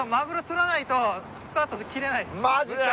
マジか。